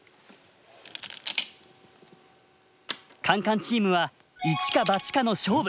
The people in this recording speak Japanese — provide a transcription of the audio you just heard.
カンカンチームは一か八かの勝負。